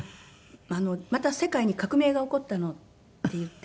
「また世界に革命が起こったの」って言って。